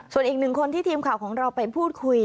ส่วนอีกหนึ่งคนที่ทีมข่าวของเราไปพูดคุย